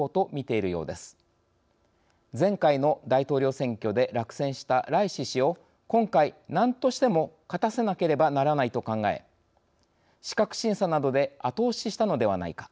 前回の大統領選挙で落選したライシ師を今回何としても勝たせなければならないと考え資格審査などで後押ししたのではないか。